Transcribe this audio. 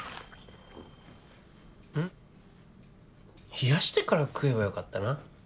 冷やしてから食えばよかったな。